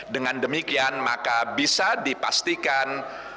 dengan demikian maka bisa dipastikan